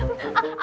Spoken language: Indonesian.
eh gajah gajah deh